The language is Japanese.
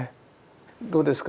どうですか